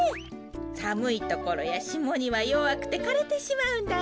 さむいところやしもにはよわくてかれてしまうんだよ。